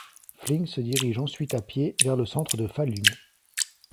Flink se dirige ensuite à pied vers le centre de Falun.